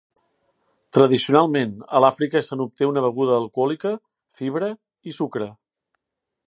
Tradicionalment, a l'Àfrica se n'obté una beguda alcohòlica, fibra i sucre.